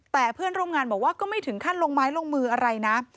แต่เพื่อนร่วมงานบอกว่าก็ไม่ถึงขั้นลงไม้ลงมืออะไรนะ